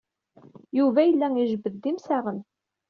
Yuba yella ijebbed-d imsaɣen.